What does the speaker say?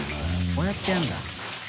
こうやってやるんだ。